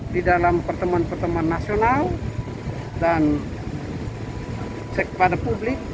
di dalam pertemuan pertemuan nasional dan kepada publik